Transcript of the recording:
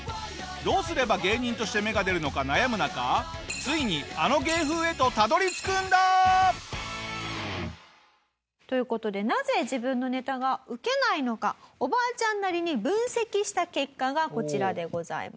どうすれば芸人として芽が出るのか悩む中ついにあの芸風へとたどり着くんだ！という事でなぜ自分のネタがウケないのかおばあちゃんなりに分析した結果がこちらでございます。